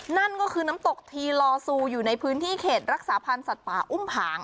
นั่นก็คือน้ำตกทีลอซูอยู่ในพื้นที่เขตรักษาพันธ์สัตว์ป่าอุ้มผาง